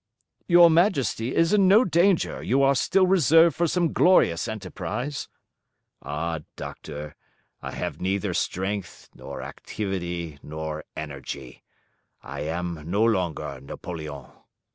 "Your Majesty is in no danger: you are still reserved for some glorious enterprise." "Ah, Doctor! I have neither strength nor activity nor energy; I am no longer Napoleon.